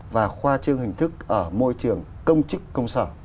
và khoa trương hình thức ở môi trường công chức công sở